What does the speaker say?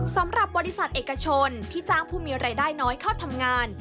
สำหรับบริษัทเอกชนที่จ้างผู้มีรายได้น้อยเข้าทำงาน